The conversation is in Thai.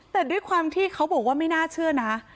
แต่ด้วยความที่เขาบอกว่าไม่น่าเชื่อนะ